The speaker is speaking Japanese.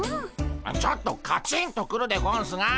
ちょっとカチンとくるでゴンスが。